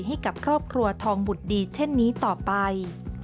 ให้กับครอบครัวทองบุตรดีเช่นนี้ต่อไป